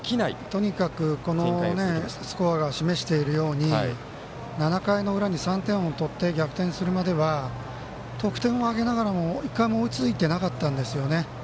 とにかく、このスコアが示しているように７回の裏に３点をとって逆転をするまでは得点を挙げながらも１回も追いついていなかったんですよね。